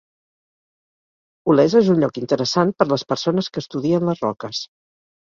Olesa és un lloc interessant per les persones que estudien les roques.